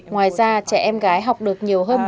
ngoài ra trẻ em gái học đều không thể chờ đợi để học